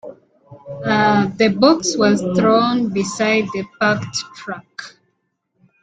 The box was thrown beside the parked truck.